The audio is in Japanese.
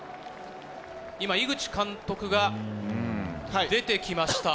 今、井口監督が出てきました。